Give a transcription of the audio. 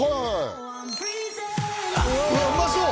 うわうまそう！